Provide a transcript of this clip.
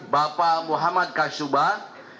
bapak muhammad kasubah